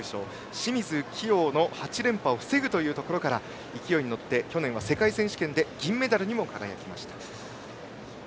清水希容の８連覇を防いだところから勢いに乗って去年は世界選手権で銀メダルにも輝きました。